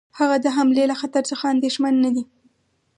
هغه د حملې له خطر څخه اندېښمن نه دی.